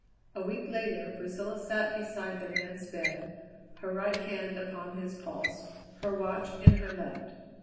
A week later Priscilla sat beside the man's bed, her right hand upon his pulse, her watch in her left.